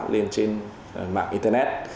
lên trên mạng internet